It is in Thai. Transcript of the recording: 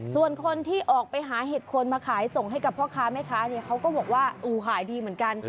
ส่วนคนที่ออกไปหาเห็ดโคนมาขายส่งให้กับพ่อค้าแม่ค้าเนี่ยเขาก็บอกว่าอู๋ขายดีเหมือนกัน